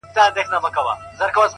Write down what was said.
زما په څېره كي- ښكلا خوره سي-